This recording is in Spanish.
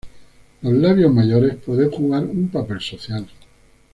Los labios mayores pueden jugar un papel social.